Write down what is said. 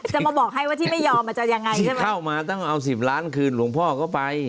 จะมาบอกให้ว่าที่ไม่ยอมมันจะยังไงใช่ไหมเข้ามาต้องเอาสิบล้านคืนหลวงพ่อก็ไป